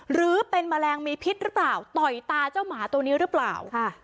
หรือเป็นแมลงมีพิษหรือเปล่าต่อยตาเจ้าหมาตัวนี้หรือเปล่า